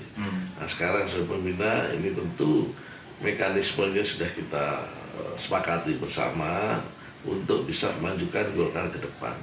nah sekarang sebagai pembina ini tentu mekanismenya sudah kita sepakati bersama untuk bisa memanjukan gol kanan ke depan